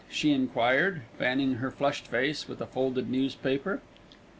she enquired, fanning her flushed face with a folded newspaper.